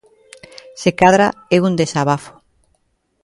Se cadra é un desabafo.